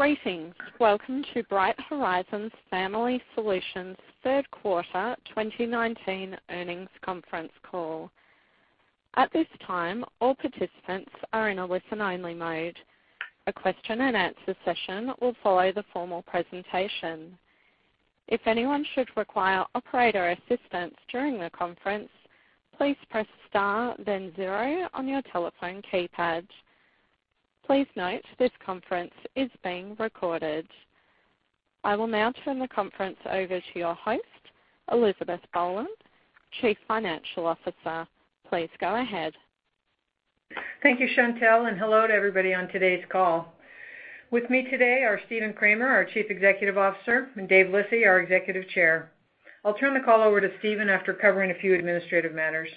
Greetings. Welcome to Bright Horizons Family Solutions' third quarter 2019 earnings conference call. At this time, all participants are in a listen-only mode. A question and answer session will follow the formal presentation. If anyone should require operator assistance during the conference, please press star then zero on your telephone keypad. Please note this conference is being recorded. I will now turn the conference over to your host, Elizabeth Boland, chief financial officer. Please go ahead. Thank you, Chantelle. Hello to everybody on today's call. With me today are Stephen Kramer, our Chief Executive Officer, and David Lissy, our Executive Chair. I'll turn the call over to Stephen after covering a few administrative matters.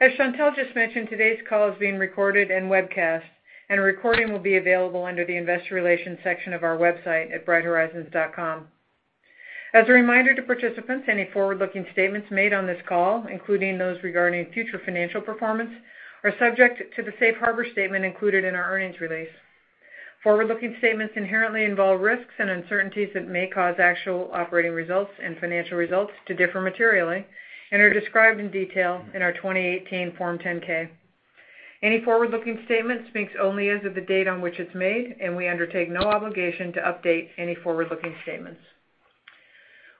As Chantelle just mentioned, today's call is being recorded and webcast, and a recording will be available under the Investor Relations section of our website at brighthorizons.com. As a reminder to participants, any forward-looking statements made on this call, including those regarding future financial performance, are subject to the safe harbor statement included in our earnings release. Forward-looking statements inherently involve risks and uncertainties that may cause actual operating results and financial results to differ materially and are described in detail in our 2018 Form 10-K. Any forward-looking statements speaks only as of the date on which it's made, and we undertake no obligation to update any forward-looking statements.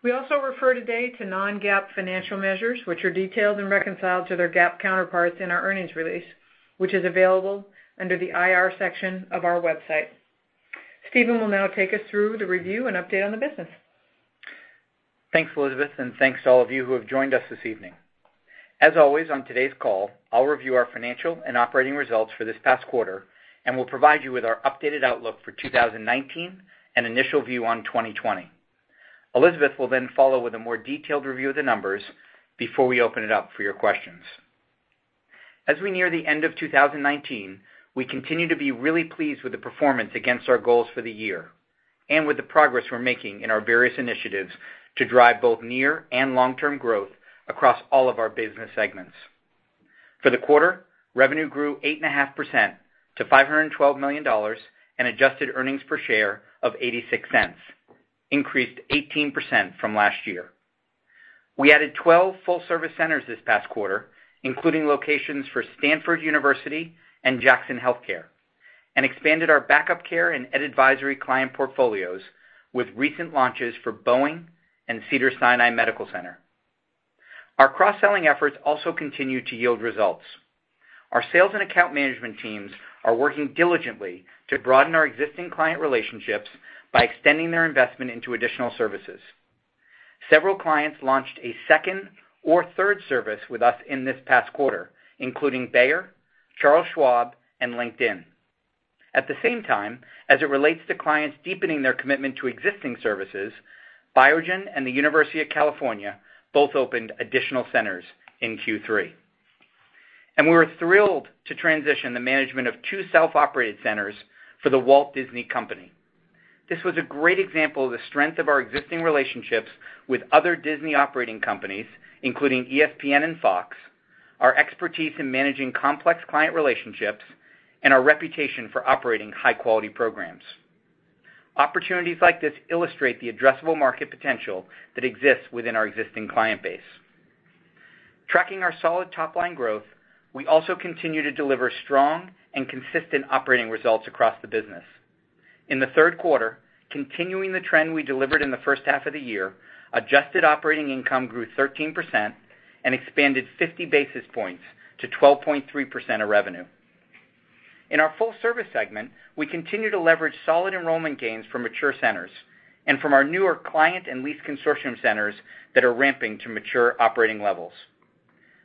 We also refer today to non-GAAP financial measures, which are detailed and reconciled to their GAAP counterparts in our earnings release, which is available under the IR section of our website. Stephen will now take us through the review and update on the business. Thanks, Elizabeth, thanks to all of you who have joined us this evening. As always, on today's call, I'll review our financial and operating results for this past quarter, and we'll provide you with our updated outlook for 2019 and initial view on 2020. Elizabeth will follow with a more detailed review of the numbers before we open it up for your questions. As we near the end of 2019, we continue to be really pleased with the performance against our goals for the year and with the progress we're making in our various initiatives to drive both near and long-term growth across all of our business segments. For the quarter, revenue grew 8.5% to $512 million, and adjusted earnings per share of $0.86, increased 18% from last year. We added 12 full-service centers this past quarter, including locations for Stanford University and Jackson Healthcare, and expanded our backup care and Ed advisory client portfolios with recent launches for Boeing and Cedars-Sinai Medical Center. Our cross-selling efforts also continue to yield results. Our sales and account management teams are working diligently to broaden our existing client relationships by extending their investment into additional services. Several clients launched a second or third service with us in this past quarter, including Bayer, Charles Schwab, and LinkedIn. At the same time, as it relates to clients deepening their commitment to existing services, Biogen and the University of California both opened additional centers in Q3. We were thrilled to transition the management of two self-operated centers for The Walt Disney Company. This was a great example of the strength of our existing relationships with other Disney operating companies, including ESPN and Fox, our expertise in managing complex client relationships, and our reputation for operating high-quality programs. Opportunities like this illustrate the addressable market potential that exists within our existing client base. Tracking our solid top-line growth, we also continue to deliver strong and consistent operating results across the business. In the third quarter, continuing the trend we delivered in the first half of the year, adjusted operating income grew 13% and expanded 50 basis points to 12.3% of revenue. In our full-service segment, we continue to leverage solid enrollment gains from mature centers and from our newer client and lease consortium centers that are ramping to mature operating levels.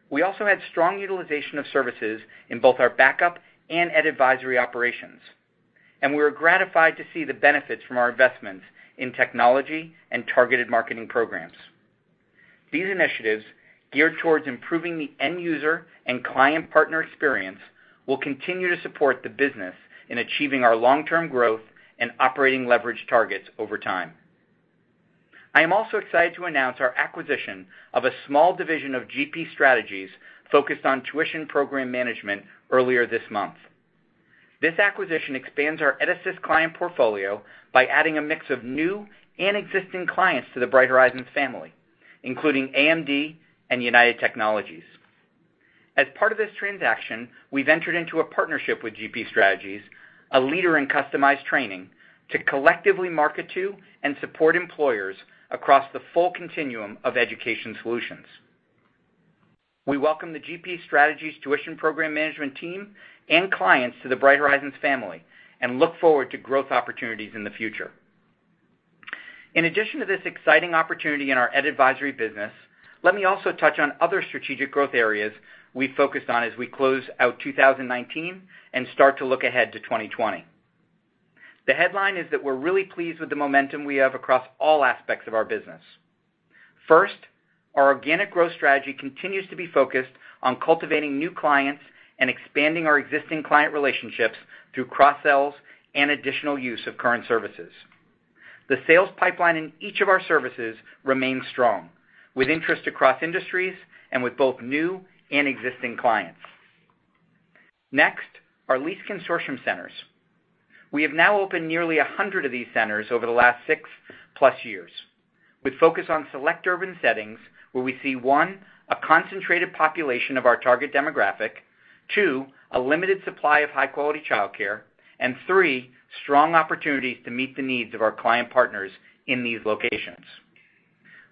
We also had strong utilization of services in both our backup and Ed Advisory operations, and we were gratified to see the benefits from our investments in technology and targeted marketing programs. These initiatives, geared towards improving the end user and client partner experience, will continue to support the business in achieving our long-term growth and operating leverage targets over time. I am also excited to announce our acquisition of a small division of GP Strategies focused on tuition program management earlier this month. This acquisition expands our EdAssist client portfolio by adding a mix of new and existing clients to the Bright Horizons family, including AMD and United Technologies. As part of this transaction, we've entered into a partnership with GP Strategies, a leader in customized training, to collectively market to and support employers across the full continuum of education solutions. We welcome the GP Strategies tuition program management team and clients to the Bright Horizons family and look forward to growth opportunities in the future. In addition to this exciting opportunity in our Ed Advisory business, let me also touch on other strategic growth areas we focused on as we close out 2019 and start to look ahead to 2020. The headline is that we're really pleased with the momentum we have across all aspects of our business. First, our organic growth strategy continues to be focused on cultivating new clients and expanding our existing client relationships through cross-sells and additional use of current services. The sales pipeline in each of our services remains strong, with interest across industries and with both new and existing clients. Next, our lease consortium centers. We have now opened nearly 100 of these centers over the last six-plus years, with focus on select urban settings where we see, 1, a concentrated population of our target demographic, 2, a limited supply of high-quality childcare, and 3, strong opportunities to meet the needs of our client partners in these locations.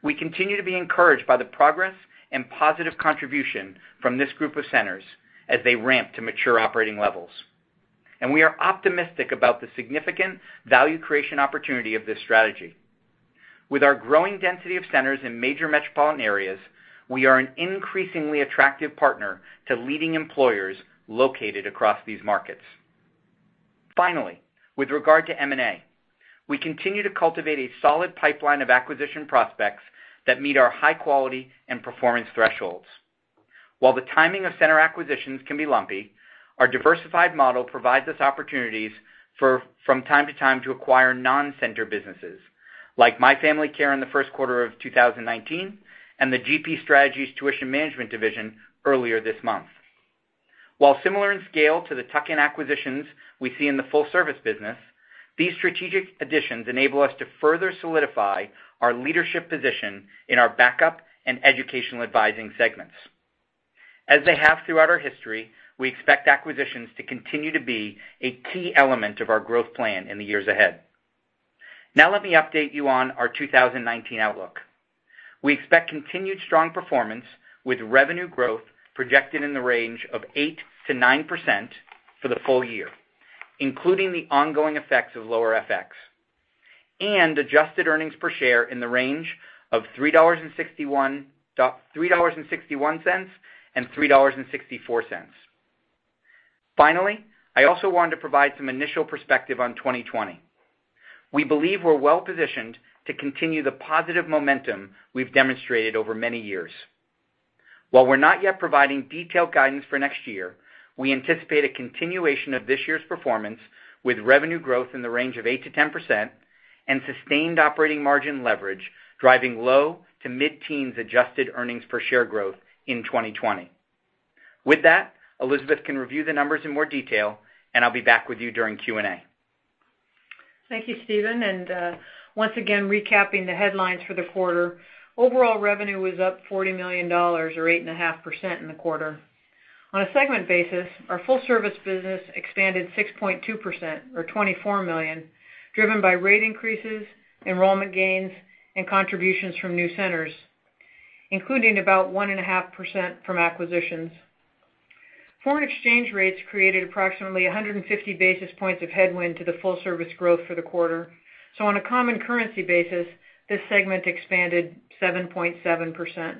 We continue to be encouraged by the progress and positive contribution from this group of centers as they ramp to mature operating levels. We are optimistic about the significant value creation opportunity of this strategy. With our growing density of centers in major metropolitan areas, we are an increasingly attractive partner to leading employers located across these markets. Finally, with regard to M&A, we continue to cultivate a solid pipeline of acquisition prospects that meet our high quality and performance thresholds. While the timing of center acquisitions can be lumpy, our diversified model provides us opportunities from time to time to acquire non-center businesses, like My Family Care in the first quarter of 2019, and the GP Strategies Tuition Management division earlier this month. While similar in scale to the tuck-in acquisitions we see in the full-service business, these strategic additions enable us to further solidify our leadership position in our backup and educational advising segments. As they have throughout our history, we expect acquisitions to continue to be a key element of our growth plan in the years ahead. Let me update you on our 2019 outlook. We expect continued strong performance, with revenue growth projected in the range of 8%-9% for the full year, including the ongoing effects of lower FX, and adjusted earnings per share in the range of $3.61-$3.64. Finally, I also wanted to provide some initial perspective on 2020. We believe we're well-positioned to continue the positive momentum we've demonstrated over many years. While we're not yet providing detailed guidance for next year, we anticipate a continuation of this year's performance, with revenue growth in the range of 8%-10% and sustained operating margin leverage, driving low- to mid-teens adjusted earnings per share growth in 2020. With that, Elizabeth can review the numbers in more detail, and I'll be back with you during Q&A. Thank you, Stephen, once again, recapping the headlines for the quarter. Overall revenue was up $40 million, or 8.5% in the quarter. On a segment basis, our full-service business expanded 6.2%, or $24 million, driven by rate increases, enrollment gains, and contributions from new centers, including about 1.5% from acquisitions. Foreign exchange rates created approximately 150 basis points of headwind to the full-service growth for the quarter. On a common currency basis, this segment expanded 7.7%.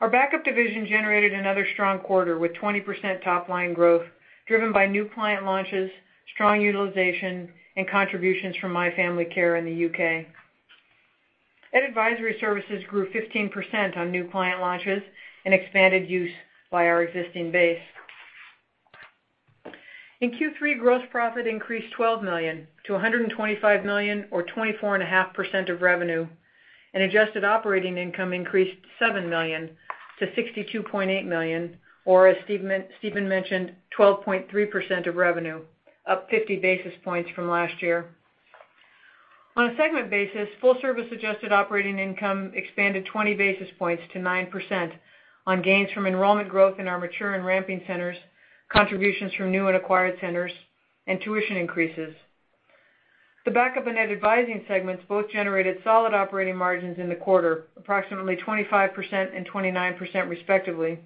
Our backup care generated another strong quarter, with 20% top-line growth, driven by new client launches, strong utilization, and contributions from My Family Care in the U.K. Ed Advisory Services grew 15% on new client launches and expanded use by our existing base. In Q3, gross profit increased $12 million to $125 million or 24.5% of revenue, and adjusted operating income increased $7 million to $62.8 million, or as Stephen mentioned, 12.3% of revenue, up 50 basis points from last year. On a segment basis, full-service adjusted operating income expanded 20 basis points to 9% on gains from enrollment growth in our mature and ramping centers, contributions from new and acquired centers, and tuition increases. The backup and Ed Advisory segments both generated solid operating margins in the quarter, approximately 25% and 29% respectively.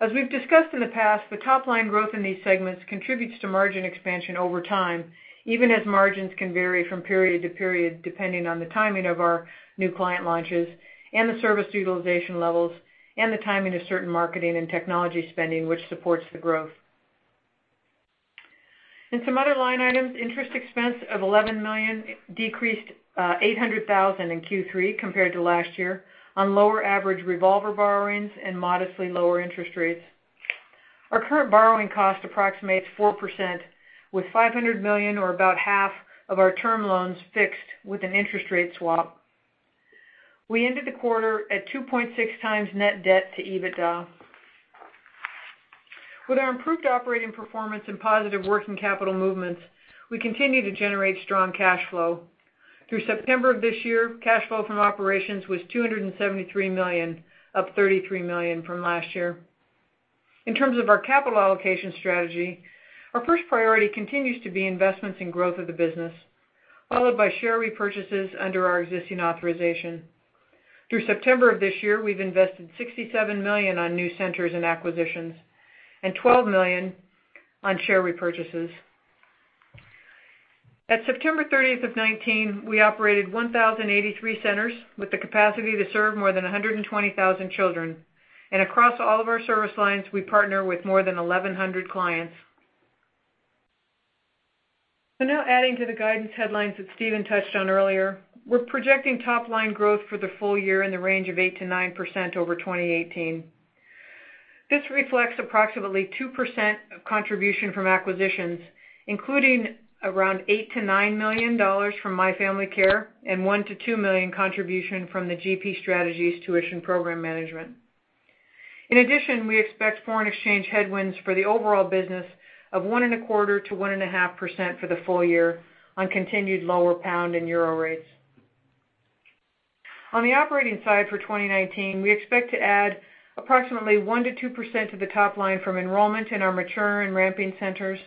As we've discussed in the past, the top-line growth in these segments contributes to margin expansion over time, even as margins can vary from period to period, depending on the timing of our new client launches and the service utilization levels and the timing of certain marketing and technology spending, which supports the growth. In some other line items, interest expense of $11 million decreased $800,000 in Q3 compared to last year on lower average revolver borrowings and modestly lower interest rates. Our current borrowing cost approximates 4%, with $500 million or about half of our term loans fixed with an interest rate swap. We ended the quarter at 2.6 times net debt to EBITDA. With our improved operating performance and positive working capital movements, we continue to generate strong cash flow. Through September of this year, cash flow from operations was $273 million, up $33 million from last year. In terms of our capital allocation strategy, our first priority continues to be investments in growth of the business, followed by share repurchases under our existing authorization. Through September of this year, we've invested $67 million on new centers and acquisitions and $12 million on share repurchases. At September 30th of 2019, we operated 1,083 centers with the capacity to serve more than 120,000 children. Across all of our service lines, we partner with more than 1,100 clients. Now adding to the guidance headlines that Stephen touched on earlier, we're projecting top-line growth for the full year in the range of 8%-9% over 2018. This reflects approximately 2% of contribution from acquisitions, including around $8 million-$9 million from My Family Care and $1 million-$2 million contribution from the GP Strategies Tuition Program Management. In addition, we expect foreign exchange headwinds for the overall business of 1.25%-1.5% for the full year on continued lower GBP and EUR rates. On the operating side for 2019, we expect to add approximately 1% to 2% to the top line from enrollment in our mature and ramping centers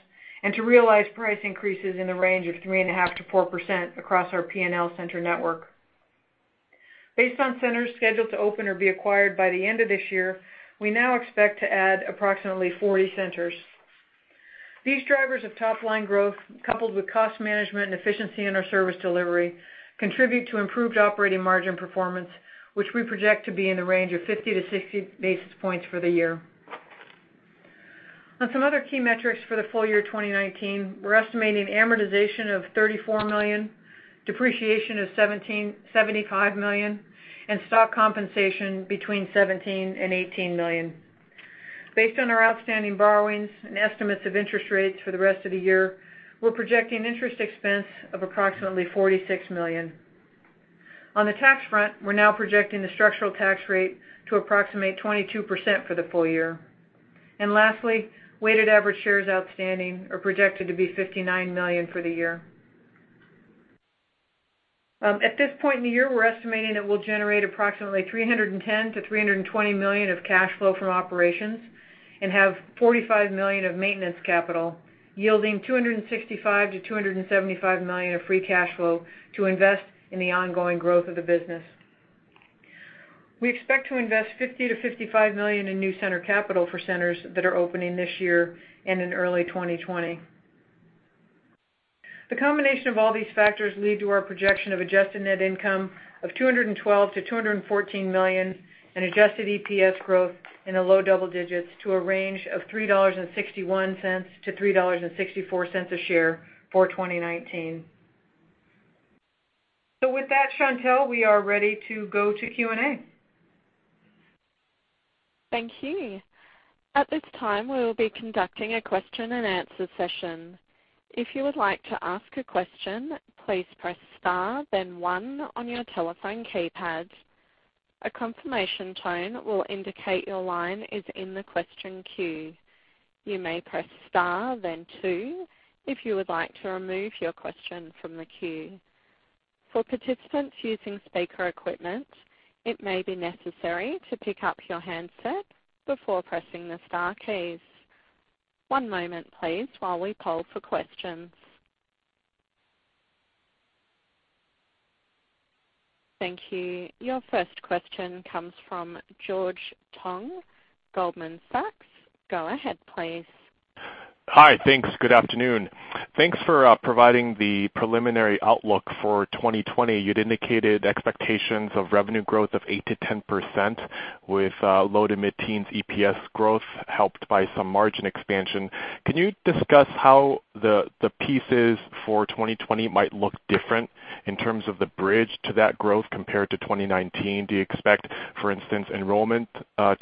and to realize price increases in the range of 3.5%-4% across our P&L center network. Based on centers scheduled to open or be acquired by the end of this year, we now expect to add approximately 40 centers. These drivers of top-line growth, coupled with cost management and efficiency in our service delivery, contribute to improved operating margin performance, which we project to be in the range of 50 to 60 basis points for the year. On some other key metrics for the full year 2019, we're estimating amortization of $34 million, depreciation of $75 million, and stock compensation between $17 million and $18 million. Based on our outstanding borrowings and estimates of interest rates for the rest of the year, we're projecting interest expense of approximately $46 million. On the tax front, we're now projecting the structural tax rate to approximate 22% for the full year. Lastly, weighted average shares outstanding are projected to be 59 million for the year. At this point in the year, we're estimating that we'll generate approximately $310 million-$320 million of cash flow from operations and have $45 million of maintenance capital, yielding $265 million-$275 million of free cash flow to invest in the ongoing growth of the business. We expect to invest $50 million-$55 million in new center capital for centers that are opening this year and in early 2020. The combination of all these factors lead to our projection of adjusted net income of $212 million-$214 million and adjusted EPS growth in the low double digits to a range of $3.61-$3.64 a share for 2019. With that, Chantelle, we are ready to go to Q&A. Thank you. At this time, we will be conducting a question and answer session. If you would like to ask a question, please press star then one on your telephone keypad. A confirmation tone will indicate your line is in the question queue. You may press star then two if you would like to remove your question from the queue. For participants using speaker equipment, it may be necessary to pick up your handset before pressing the star keys. One moment please while we poll for questions. Thank you. Your first question comes from George Tong, Goldman Sachs. Go ahead, please. Hi. Thanks. Good afternoon. Thanks for providing the preliminary outlook for 2020. You'd indicated expectations of revenue growth of 8%-10% with low to mid-teens EPS growth helped by some margin expansion. Can you discuss how the pieces for 2020 might look different in terms of the bridge to that growth compared to 2019? Do you expect, for instance, enrollment,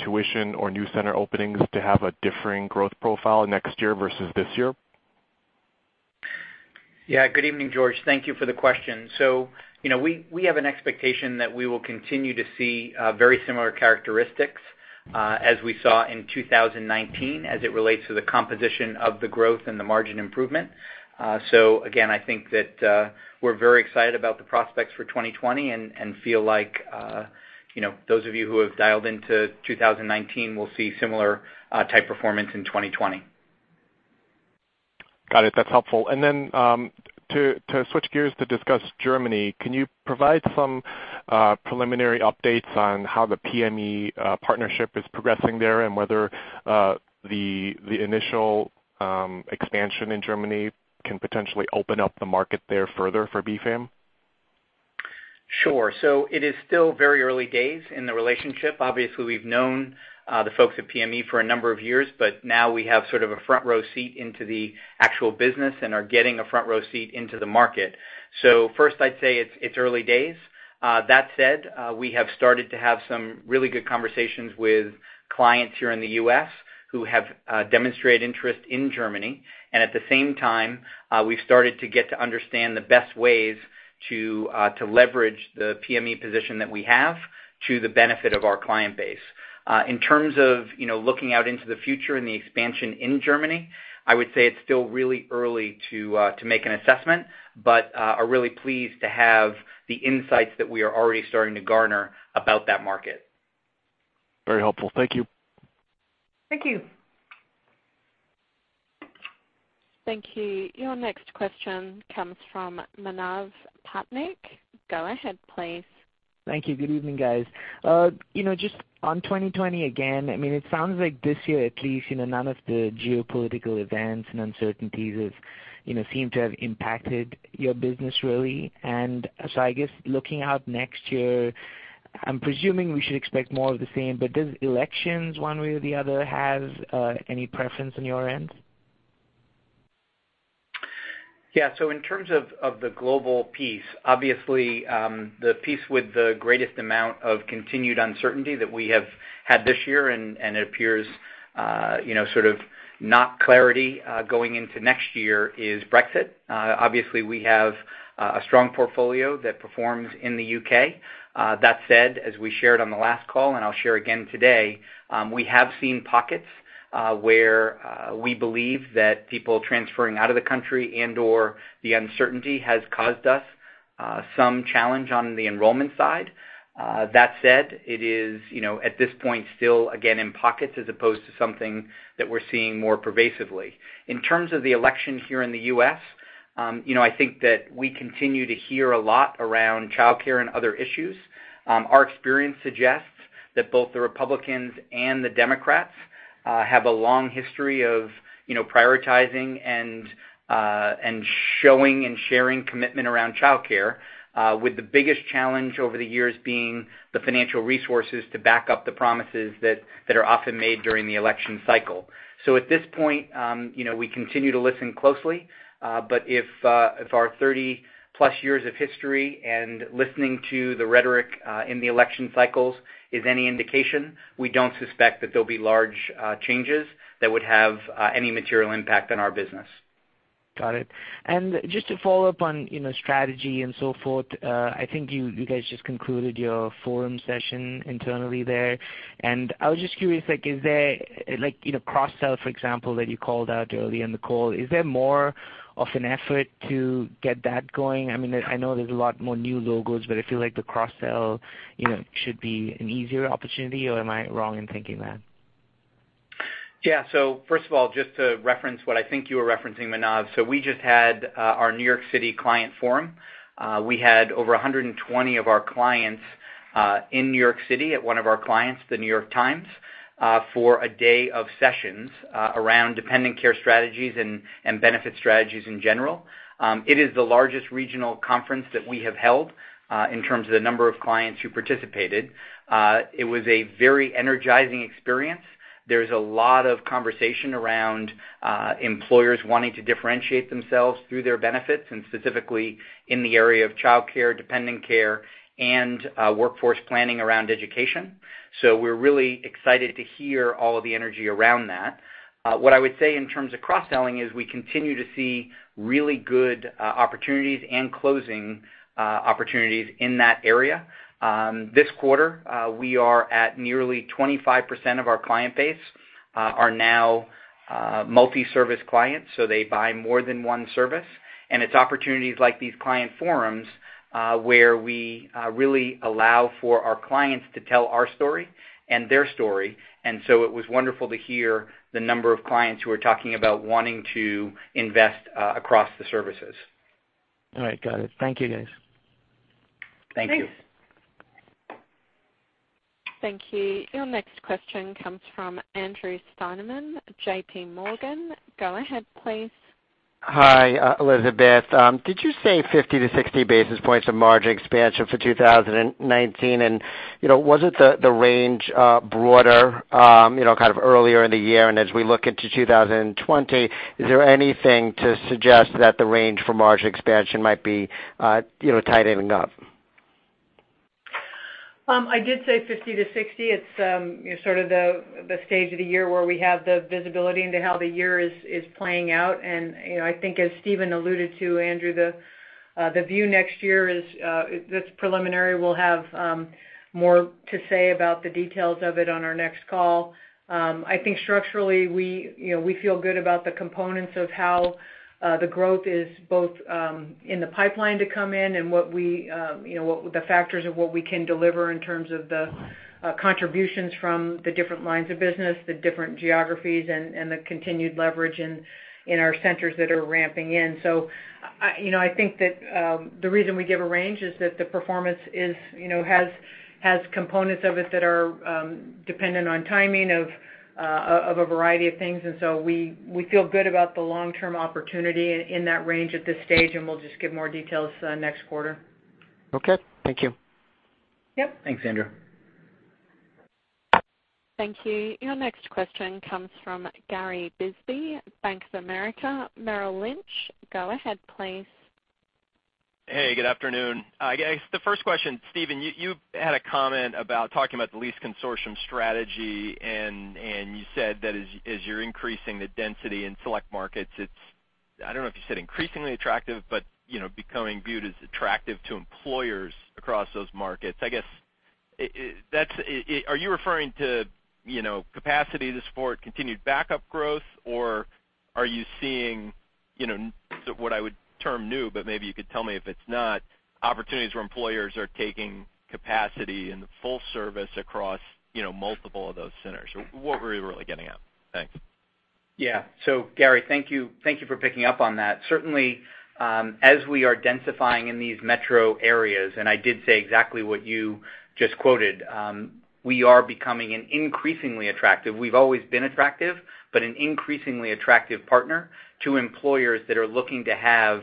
tuition, or new center openings to have a differing growth profile next year versus this year? Good evening, George. Thank you for the question. We have an expectation that we will continue to see very similar characteristics as we saw in 2019 as it relates to the composition of the growth and the margin improvement. Again, I think that we're very excited about the prospects for 2020 and feel like those of you who have dialed into 2019 will see similar type performance in 2020. Got it. That's helpful. To switch gears to discuss Germany, can you provide some preliminary updates on how the pme partnership is progressing there and whether the initial expansion in Germany can potentially open up the market there further for BFAM? Sure. It is still very early days in the relationship. Obviously, we've known the folks at pme for a number of years, but now we have sort of a front-row seat into the actual business and are getting a front-row seat into the market. First, I'd say it's early days. That said, we have started to have some really good conversations with clients here in the U.S. who have demonstrated interest in Germany. At the same time, we've started to get to understand the best ways to leverage the pme position that we have to the benefit of our client base. In terms of looking out into the future and the expansion in Germany, I would say it's still really early to make an assessment, but are really pleased to have the insights that we are already starting to garner about that market. Very helpful. Thank you. Thank you. Thank you. Your next question comes from Manav Patnaik. Go ahead, please. Thank you. Good evening, guys. Just on 2020, again, it sounds like this year at least, none of the geopolitical events and uncertainties seem to have impacted your business, really. I guess looking out next year, I'm presuming we should expect more of the same, but does elections one way or the other have any preference on your end? In terms of the global piece, obviously, the piece with the greatest amount of continued uncertainty that we have had this year, and it appears sort of not clarity going into next year, is Brexit. We have a strong portfolio that performs in the U.K. As we shared on the last call, and I'll share again today, we have seen pockets where we believe that people transferring out of the country and/or the uncertainty has caused us some challenge on the enrollment side. It is, at this point, still, again, in pockets, as opposed to something that we're seeing more pervasively. In terms of the election here in the U.S., I think that we continue to hear a lot around childcare and other issues. Our experience suggests that both the Republicans and the Democrats have a long history of prioritizing and showing and sharing commitment around childcare, with the biggest challenge over the years being the financial resources to back up the promises that are often made during the election cycle. At this point, we continue to listen closely. But if our 30-plus years of history and listening to the rhetoric in the election cycles is any indication, we don't suspect that there'll be large changes that would have any material impact on our business. Got it. Just to follow up on strategy and so forth, I think you guys just concluded your forum session internally there. I was just curious, like, is there cross-sell, for example, that you called out early in the call? Is there more of an effort to get that going? I know there's a lot more new logos, but I feel like the cross-sell should be an easier opportunity, or am I wrong in thinking that? First of all, just to reference what I think you were referencing, Manav. We just had our New York City client forum. We had over 120 of our clients in New York City at one of our clients, "The New York Times," for a day of sessions around dependent care strategies and benefit strategies in general. It is the largest regional conference that we have held in terms of the number of clients who participated. It was a very energizing experience. There's a lot of conversation around employers wanting to differentiate themselves through their benefits, and specifically in the area of childcare, dependent care, and workforce planning around education. We're really excited to hear all of the energy around that. What I would say in terms of cross-selling is we continue to see really good opportunities and closing opportunities in that area. This quarter, we are at nearly 25% of our client base are now multi-service clients, they buy more than one service. It's opportunities like these client forums, where we really allow for our clients to tell our story and their story. It was wonderful to hear the number of clients who are talking about wanting to invest across the services. All right. Got it. Thank you, guys. Thank you. Thanks. Thank you. Your next question comes from Andrew Steinerman, JPMorgan. Go ahead, please. Hi, Elizabeth. Did you say 50-60 basis points of margin expansion for 2019? Wasn't the range broader kind of earlier in the year? As we look into 2020, is there anything to suggest that the range for margin expansion might be tightening up? I did say 50-60. It's sort of the stage of the year where we have the visibility into how the year is playing out. I think as Stephen alluded to, Andrew, the view next year is, it's preliminary. We'll have more to say about the details of it on our next call. I think structurally, we feel good about the components of how the growth is both in the pipeline to come in and the factors of what we can deliver in terms of the contributions from the different lines of business, the different geographies, and the continued leverage in our centers that are ramping in. I think that the reason we give a range is that the performance has components of it that are dependent on timing of a variety of things. We feel good about the long-term opportunity in that range at this stage, and we'll just give more details next quarter. Okay. Thank you. Yep. Thanks, Andrew. Thank you. Your next question comes from Gary Bisbee, Bank of America Merrill Lynch. Go ahead, please. Hey, good afternoon. I guess the first question, Stephen, you had a comment about talking about the lease consortium strategy, and you said that as you're increasing the density in select markets, it's I don't know if you said increasingly attractive, but becoming viewed as attractive to employers across those markets. I guess, are you referring to capacity to support continued backup care growth, or are you seeing what I would term new, but maybe you could tell me if it's not, opportunities where employers are taking capacity and the full service across multiple of those centers? What were you really getting at? Thanks. Gary, thank you for picking up on that. Certainly, as we are densifying in these metro areas, and I did say exactly what you just quoted, we are becoming an increasingly attractive, we've always been attractive, but an increasingly attractive partner to employers that are looking to have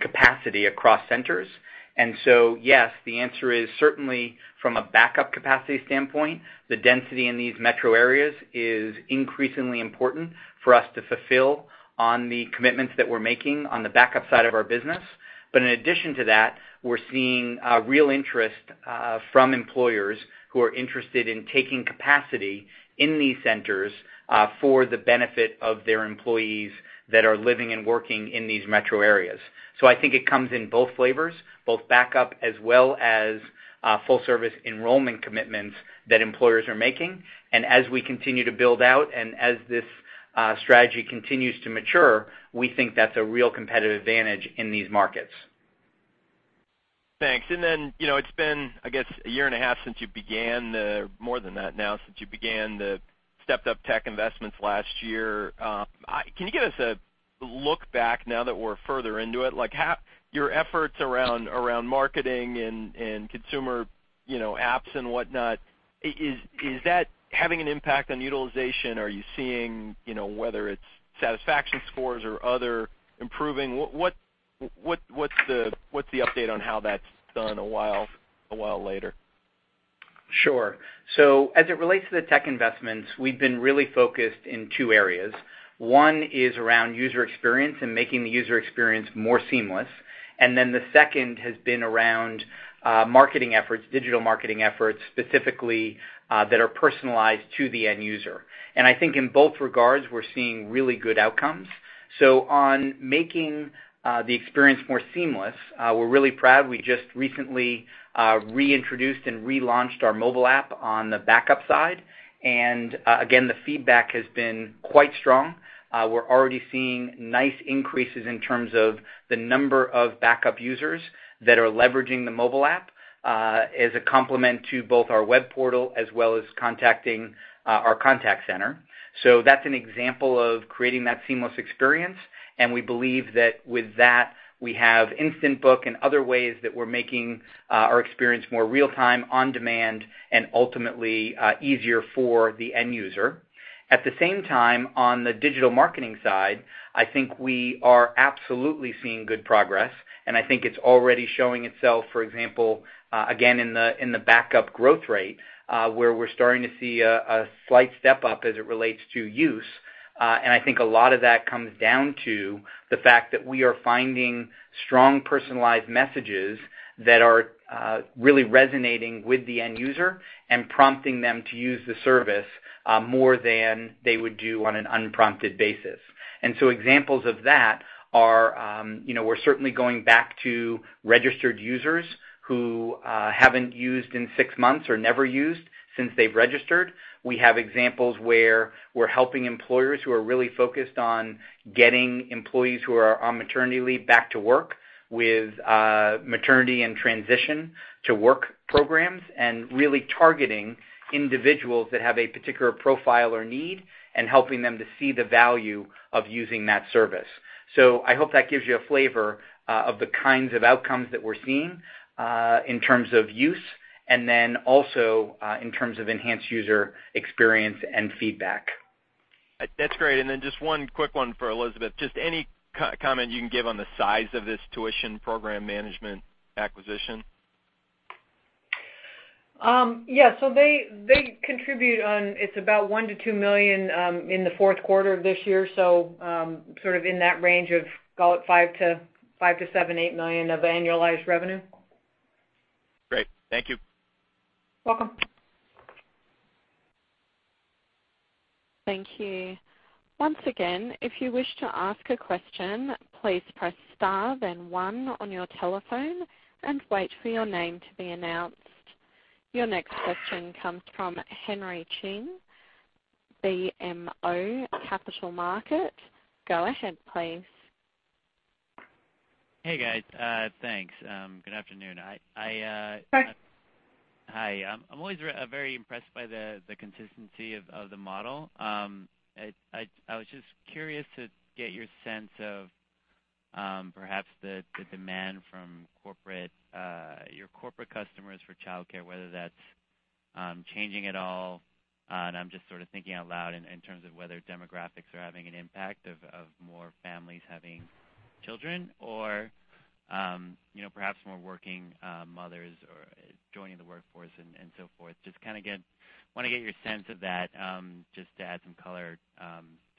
capacity across centers. Yes, the answer is certainly from a backup capacity standpoint, the density in these metro areas is increasingly important for us to fulfill on the commitments that we're making on the backup side of our business. In addition to that, we're seeing a real interest from employers who are interested in taking capacity in these centers for the benefit of their employees that are living and working in these metro areas. I think it comes in both flavors, both backup as well as full service enrollment commitments that employers are making. As we continue to build out and as this strategy continues to mature, we think that's a real competitive advantage in these markets. Thanks. It's been, I guess, a year and a half, more than that now, since you began the stepped-up tech investments last year. Can you give us a look back now that we're further into it? Your efforts around marketing and consumer apps and whatnot, is that having an impact on utilization? Are you seeing whether it's satisfaction scores or other improving? What's the update on how that's done a while later? Sure. As it relates to the tech investments, we've been really focused in two areas. One is around user experience and making the user experience more seamless. The second has been around marketing efforts, digital marketing efforts specifically, that are personalized to the end user. I think in both regards, we're seeing really good outcomes. On making the experience more seamless, we're really proud. We just recently reintroduced and relaunched our mobile app on the backup side. Again, the feedback has been quite strong. We're already seeing nice increases in terms of the number of backup users that are leveraging the mobile app, as a complement to both our web portal as well as contacting our contact center. That's an example of creating that seamless experience, and we believe that with that, we have instant book and other ways that we're making our experience more real-time, on-demand, and ultimately, easier for the end user. At the same time, on the digital marketing side, I think we are absolutely seeing good progress, and I think it's already showing itself, for example, again, in the backup growth rate, where we're starting to see a slight step-up as it relates to use. I think a lot of that comes down to the fact that we are finding strong personalized messages that are really resonating with the end user and prompting them to use the service more than they would do on an unprompted basis. Examples of that are, we're certainly going back to registered users who haven't used in six months or never used since they've registered. We have examples where we're helping employers who are really focused on getting employees who are on maternity leave back to work with maternity and transition-to-work programs and really targeting individuals that have a particular profile or need and helping them to see the value of using that service. I hope that gives you a flavor of the kinds of outcomes that we're seeing, in terms of use, and then also, in terms of enhanced user experience and feedback. That's great. Just one quick one for Elizabeth. Just any comment you can give on the size of this tuition program management acquisition? It's about $1 million-$2 million in the fourth quarter of this year. Sort of in that range of, call it $5 million-$7 million, $8 million of annualized revenue. Great. Thank you. Welcome. Thank you. Once again, if you wish to ask a question, please press * then 1 on your telephone and wait for your name to be announced. Your next question comes from Jeffrey Silber, BMO Capital Markets. Go ahead, please. Hey, guys. Thanks. Good afternoon. Hi. Hi. I'm always very impressed by the consistency of the model. I was just curious to get your sense of perhaps the demand from your corporate customers for childcare, whether that's changing at all. I'm just sort of thinking out loud in terms of whether demographics are having an impact of more families having children or perhaps more working mothers or joining the workforce and so forth. Just kind of want to get your sense of that, just to add some color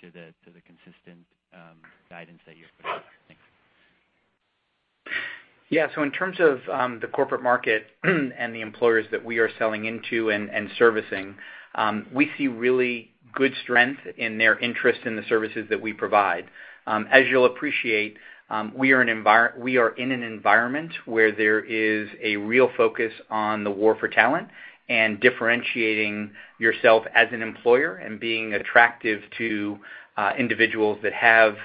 to the consistent guidance that you're providing. Thanks. Yeah. In terms of the corporate market and the employers that we are selling into and servicing, we see really good strength in their interest in the services that we provide. As you'll appreciate, we are in an environment where there is a real focus on the war for talent and differentiating yourself as an employer and being attractive to individuals that have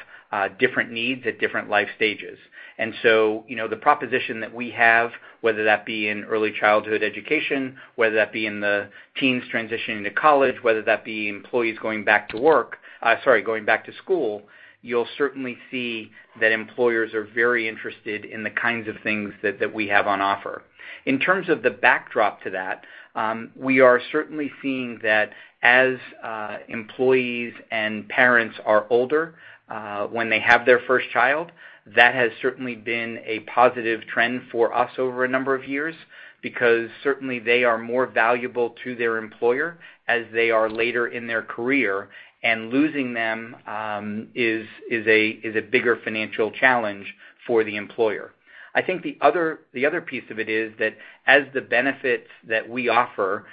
different needs at different life stages. The proposition that we have, whether that be in early childhood education, whether that be in the teens transitioning to college, whether that be employees going back to school, you'll certainly see that employers are very interested in the kinds of things that we have on offer. In terms of the backdrop to that, we are certainly seeing that as employees and parents are older, when they have their first child, that has certainly been a positive trend for us over a number of years, because certainly they are more valuable to their employer as they are later in their career, and losing them is a bigger financial challenge for the employer. I think the other piece of it is that as the benefits that we offer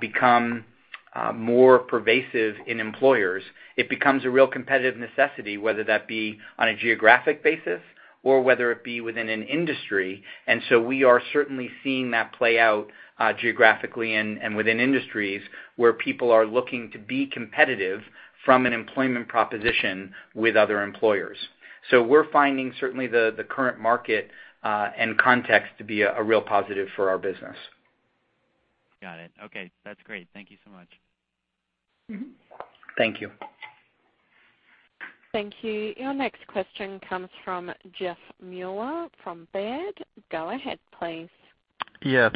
become more pervasive in employers, it becomes a real competitive necessity, whether that be on a geographic basis or whether it be within an industry. We are certainly seeing that play out geographically and within industries where people are looking to be competitive from an employment proposition with other employers. So we're finding certainly the current market, and context to be a real positive for our business. Got it. Okay. That's great. Thank you so much. Thank you. Thank you. Your next question comes from Jeffrey Meuler from Baird. Go ahead, please.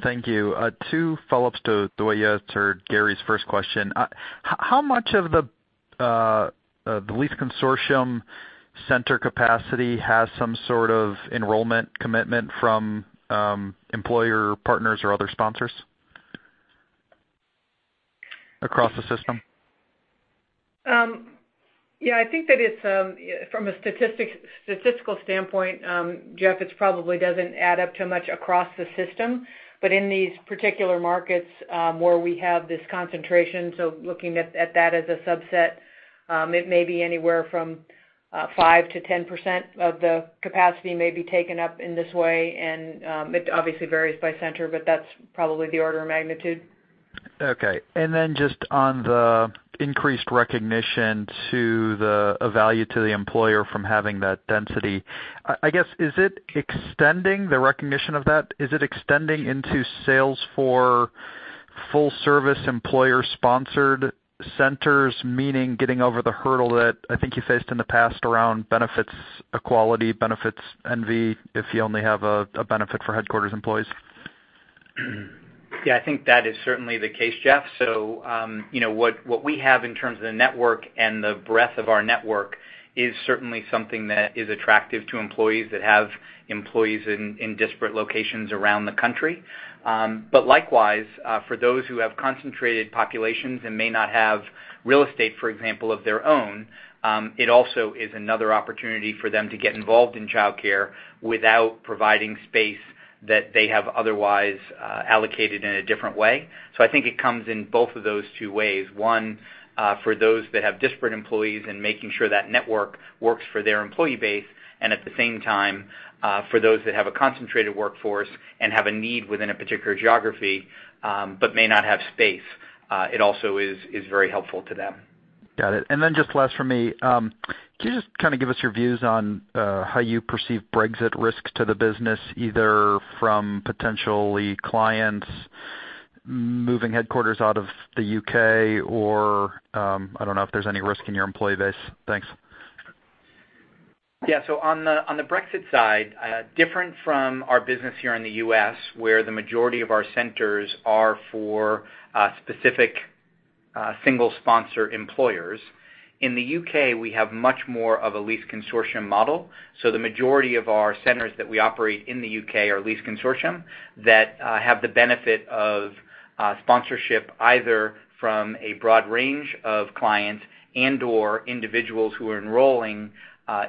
Thank you. Two follow-ups to the way you answered Gary's first question. How much of the lease consortium center capacity has some sort of enrollment commitment from employer partners or other sponsors across the system? Yeah, I think that from a statistical standpoint, Jeff, it probably doesn't add up to much across the system. In these particular markets, where we have this concentration, so looking at that as a subset, it may be anywhere from 5%-10% of the capacity may be taken up in this way, it obviously varies by center, but that's probably the order of magnitude. Okay. Just on the increased recognition to the value to the employer from having that density. I guess, is it extending the recognition of that? Is it extending into sales for full service employer-sponsored centers? Meaning getting over the hurdle that I think you faced in the past around benefits equality, benefits envy, if you only have a benefit for headquarters employees. Yeah, I think that is certainly the case, Jeff. What we have in terms of the network and the breadth of our network is certainly something that is attractive to employees that have employees in disparate locations around the country. Likewise, for those who have concentrated populations and may not have real estate, for example, of their own, it also is another opportunity for them to get involved in childcare without providing space that they have otherwise allocated in a different way. I think it comes in both of those two ways, one, for those that have disparate employees and making sure that network works for their employee base, and at the same time, for those that have a concentrated workforce and have a need within a particular geography, but may not have space, it also is very helpful to them. Got it. Just last for me, can you just kind of give us your views on how you perceive Brexit risks to the business, either from potentially clients moving headquarters out of the U.K. or, I don't know if there's any risk in your employee base. Thanks. On the Brexit side, different from our business here in the U.S., where the majority of our centers are for specific single sponsor employers. In the U.K., we have much more of a lease consortium model. The majority of our centers that we operate in the U.K. are lease consortium that have the benefit of sponsorship either from a broad range of clients and/or individuals who are enrolling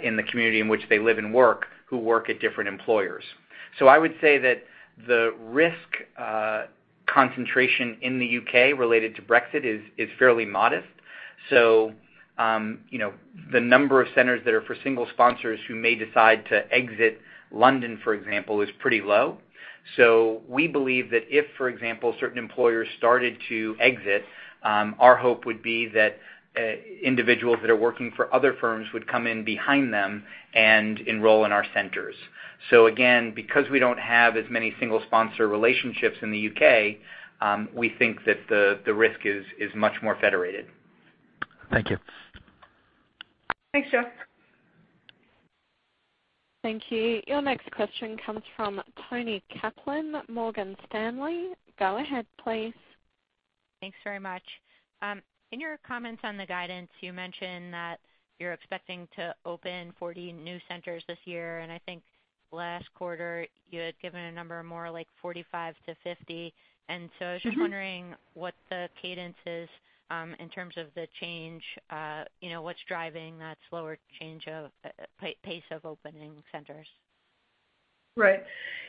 in the community in which they live and work, who work at different employers. I would say that the risk concentration in the U.K. related to Brexit is fairly modest. The number of centers that are for single sponsors who may decide to exit London, for example, is pretty low. We believe that if, for example, certain employers started to exit, our hope would be that individuals that are working for other firms would come in behind them and enroll in our centers. Again, because we don't have as many single sponsor relationships in the U.K., we think that the risk is much more federated. Thank you. Thanks, Jeff. Thank you. Your next question comes from Toni Kaplan, Morgan Stanley. Go ahead, please. Thanks very much. In your comments on the guidance, you mentioned that you're expecting to open 40 new centers this year, and I think last quarter, you had given a number more like 45 to 50. I was just wondering what the cadence is, in terms of the change, what's driving that slower pace of opening centers? Right.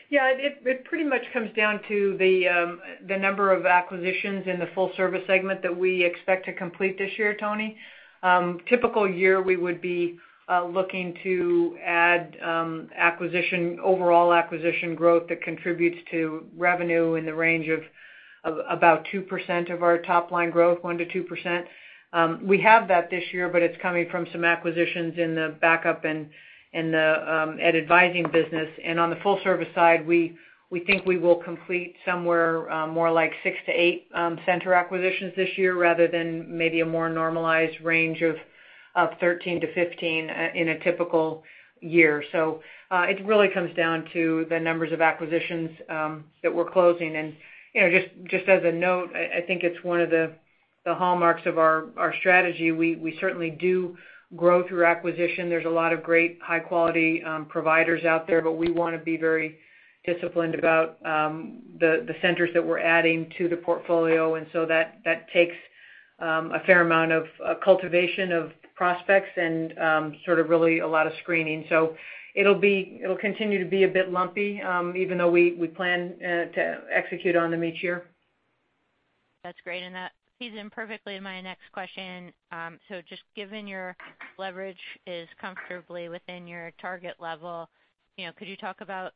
Yeah, it pretty much comes down to the number of acquisitions in the full service segment that we expect to complete this year, Toni. Typical year, we would be looking to add overall acquisition growth that contributes to revenue in the range of about 2% of our top-line growth, 1%-2%. We have that this year, but it's coming from some acquisitions in the backup and Ed advising business. On the full service side, we think we will complete somewhere more like 6-8 center acquisitions this year rather than maybe a more normalized range of 13-15 in a typical year. It really comes down to the numbers of acquisitions that we're closing. Just as a note, I think it's one of the hallmarks of our strategy. We certainly do grow through acquisition. There's a lot of great high-quality providers out there. We want to be very disciplined about the centers that we're adding to the portfolio. That takes a fair amount of cultivation of prospects and sort of really a lot of screening. It'll continue to be a bit lumpy, even though we plan to execute on them each year. That's great, and that feeds in perfectly to my next question. Just given your leverage is comfortably within your target level, could you talk about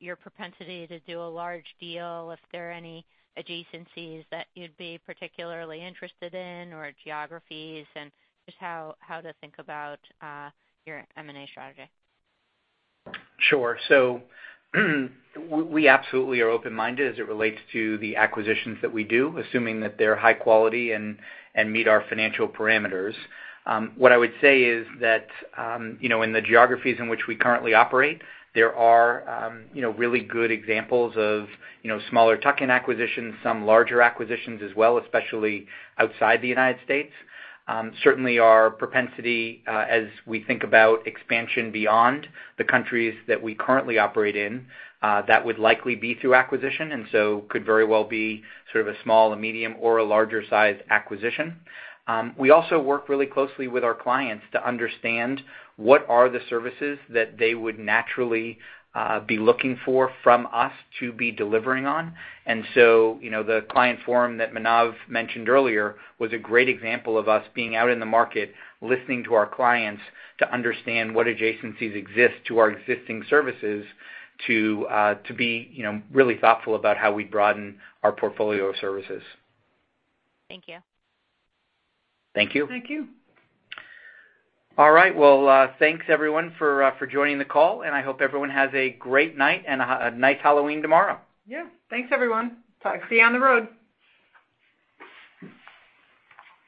your propensity to do a large deal if there are any adjacencies that you'd be particularly interested in or geographies, and just how to think about your M&A strategy? Sure. We absolutely are open-minded as it relates to the acquisitions that we do, assuming that they're high quality and meet our financial parameters. What I would say is that, in the geographies in which we currently operate, there are really good examples of smaller tuck-in acquisitions, some larger acquisitions as well, especially outside the U.S. Certainly our propensity, as we think about expansion beyond the countries that we currently operate in, that would likely be through acquisition, could very well be sort of a small, a medium, or a larger-sized acquisition. We also work really closely with our clients to understand what are the services that they would naturally be looking for from us to be delivering on. The client forum that Manav mentioned earlier was a great example of us being out in the market, listening to our clients to understand what adjacencies exist to our existing services to be really thoughtful about how we broaden our portfolio of services. Thank you. Thank you. Thank you. All right. Well, thanks everyone for joining the call, and I hope everyone has a great night and a nice Halloween tomorrow. Yeah. Thanks, everyone. See you on the road.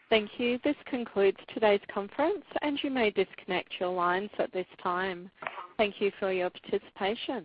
Thank you. This concludes today's conference, and you may disconnect your lines at this time. Thank you for your participation.